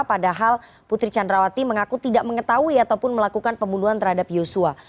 padahal putri candrawati mengaku tidak mengetahui ataupun melakukan pembunuhan terhadap yosua